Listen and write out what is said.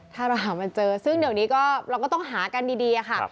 ถ้าเราหามันเจอซึ่งเดี๋ยวนี้ก็เราก็ต้องหากันดีค่ะ